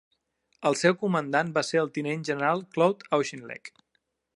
El seu comandant va ser el tinent general Claude Auchinleck.